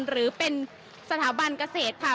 หรือเป็นสถาบันเกษตรค่ะ